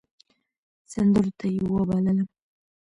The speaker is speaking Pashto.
سندرو ته يې وبللم .